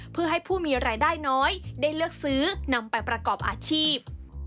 เพื่อให้ผู้มีรายได้น้อยได้เลือกซื้อนำไปประกอบอาชีพ